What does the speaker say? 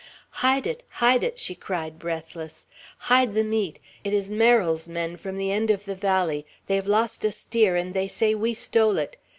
"Hide it! hide it!" she cried, breathless; "hide the meat! It is Merrill's men, from the end of the valley. They have lost a steer, and they say we stole it.